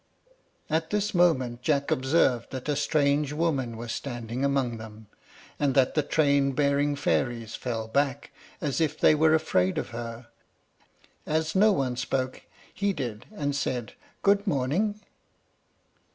At this moment Jack observed that a strange woman was standing among them, and that the trainbearing fairies fell back, as if they were afraid of her. As no one spoke, he did, and said, "Good morning!"